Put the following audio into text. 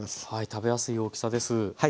食べやすい大きさです。